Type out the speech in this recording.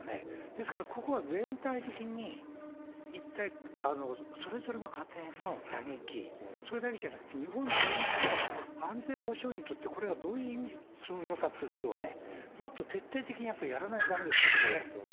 ですからここは全体的にそれぞれの家庭の打撃、それだけじゃなくて、日本全体の安全保障にとってこれがどういう意味するのかということをもっと徹底的にやっぱりやらないとだめですよね。